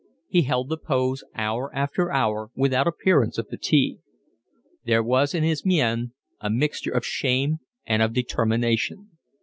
He held the pose hour after hour without appearance of fatigue. There was in his mien a mixture of shame and of determination.